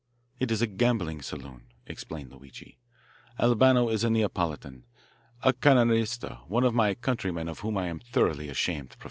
"It is a gambling saloon," explained Luigi. "Albano is a Neapolitan, a Camorrista, one of my countrymen of whom I am thoroughly ashamed, Professor Kennedy."